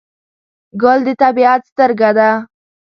ګل د طبیعت سترګه ده.